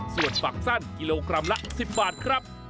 ส่วนฝักสั้นกิโลกรัมละ๑๐บาทครับ